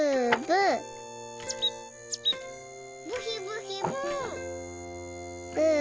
ブヒブヒブー。